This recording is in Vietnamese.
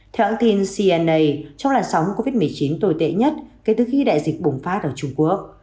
theo hãng tin cnna trong làn sóng covid một mươi chín tồi tệ nhất kể từ khi đại dịch bùng phát ở trung quốc